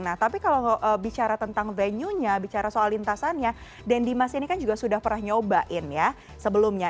nah tapi kalau bicara tentang venue nya bicara soal lintasannya dan dimas ini kan juga sudah pernah nyobain ya sebelumnya